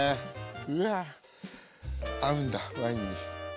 いや合うんだワインに。